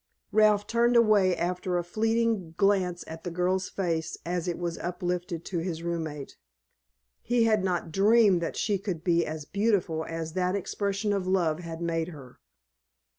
Ralph turned away after a fleeting glance at the girl's face as it was uplifted to his roommate. He had not dreamed that she could be as beautiful as that expression of love had made her.